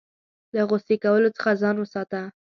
له غوسې کولو څخه ځان وساته .